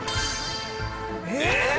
えっ！？